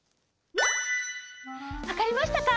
わかりましたか？